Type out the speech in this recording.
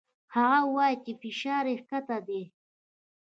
هغه وايي چې فشار يې کښته ديه.